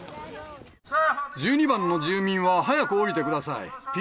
１２番の住民は早く下りてください。